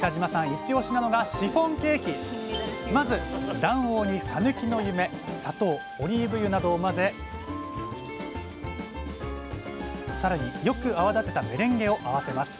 いちおしなのがまず卵黄にさぬきの夢砂糖オリーブ油などを混ぜ更によく泡立てたメレンゲを合わせます。